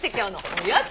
おやつ！